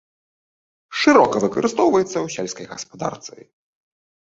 Шырока выкарыстоўваюцца ў сельскай гаспадарцы.